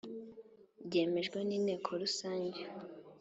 byemejwe n Inteko rusange